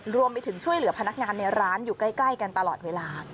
รวมไปถึงช่วยเหลือพนักงานในร้านอยู่ใกล้กันตลอดเวลา